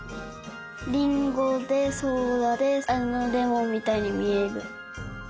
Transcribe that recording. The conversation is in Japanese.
リンゴでソーダでレモンみたいにみえる。